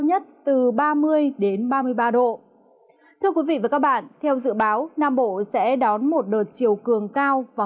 nhất từ ba mươi ba mươi ba độ thưa quý vị và các bạn theo dự báo nam bộ sẽ đón một đợt chiều cường cao và